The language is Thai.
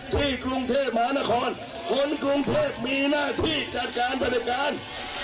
กรุงเทพมหานครคนกรุงเทพมีหน้าที่จัดการบริการ